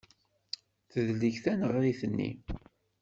Tedleg taneɣrit-nni.